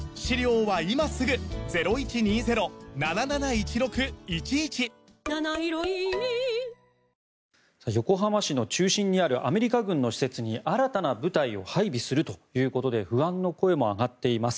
東京海上日動横浜市の中心にあるアメリカ軍の施設に新たな部隊を配備するということで不安の声も上がっています。